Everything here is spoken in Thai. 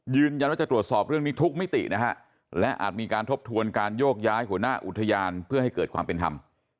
จะตรวจสอบเรื่องนี้ทุกมิตินะฮะและอาจมีการทบทวนการโยกย้ายหัวหน้าอุทยานเพื่อให้เกิดความเป็นธรรม